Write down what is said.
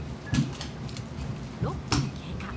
６分経過。